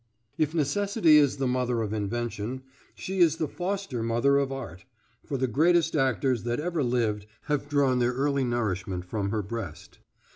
If necessity is the mother of invention, she is the foster mother of art, for the greatest actors that ever lived have drawn their early nourishment from her breast.